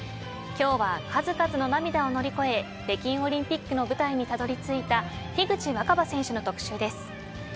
今日は数々の涙を乗り越え北京オリンピックの舞台にたどり着いた樋口新葉選手の特集です。